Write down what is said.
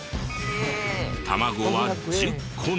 卵は１０個の。